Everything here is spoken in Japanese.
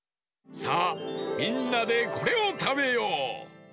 さあみんなでこれをたべよう。